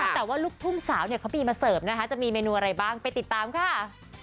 แต่ว่าลูกทุ่งสาวเนี่ยเขามีมาเสิร์ฟนะคะจะมีเมนูอะไรบ้างไปติดตามค่ะ